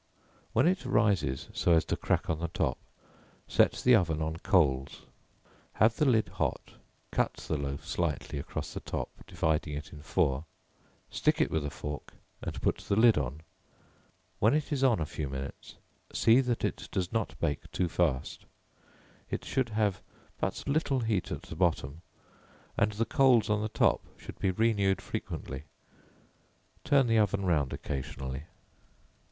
When it rises so as to crack on the top, set the oven on coals; have the lid hot, cut the loaf slightly across the top, dividing it in four; stick it with a fork and put the lid on, when it is on a few minutes, see that it does not bake too fast, it should have but little heat at the bottom, and the coals on the top should be renewed frequently, turn the oven round occasionally.